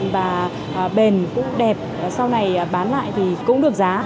và bền cũng đẹp sau này bán lại thì cũng được giá